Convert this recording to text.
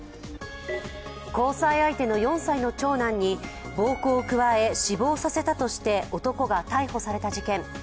交際相手の４歳の長男に暴行を加え死亡させたとして男が逮捕された事件。